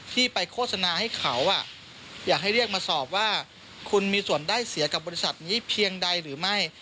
ที่ไปโฆษณาให้เขาอยากให้เรียกมาสอบว่าคุณมีส่วนได้เสียกับบริษัทนี้เพียงใดหรือไม่